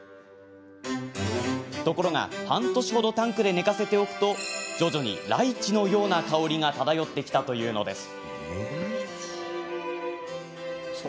ところが半年ほどタンクで寝かせておくと徐々にライチのような香りが漂ってきたというのです。